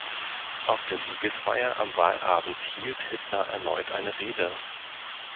Auf der Siegesfeier am Wahlabend hielt Hitler erneut eine Rede.